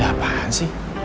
ini ada apaan sih